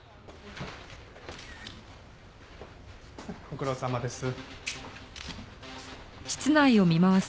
ご苦労さまです。